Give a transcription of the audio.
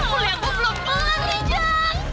kuliah gua belum kelarin jang